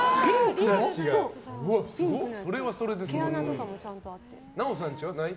それはそれですごい。